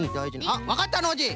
あっわかったノージー。